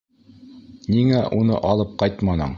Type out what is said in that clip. Ниңә уны алып ҡайтманың?